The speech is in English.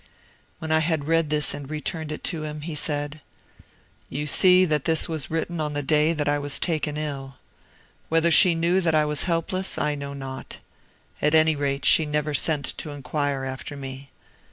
When I had read this and returned it to him, he said: "You see that this was written on the day I was taken ill. Whether she knew that I was helpless I know not. At any rate, she never sent to inquire after me.